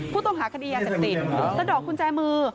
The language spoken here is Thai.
ผู้ต้องหาคณิยาจัดติดสะดอกคุณแจมือ